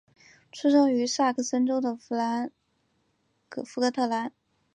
出生于萨克森州的福格特兰。